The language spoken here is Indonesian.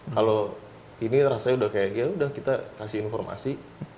kalau ini rasanya udah kayak yaudah kita kasih informasi